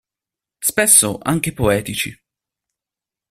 Spesso anche poetici.